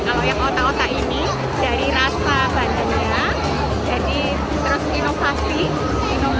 kalau yang otak otak ini dari rasa bandengnya